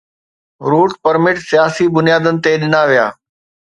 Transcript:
Route permit سياسي بنيادن تي ڏنا ويا.